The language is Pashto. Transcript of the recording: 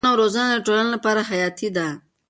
ښوونه او روزنه د ټولنې لپاره حیاتي ده.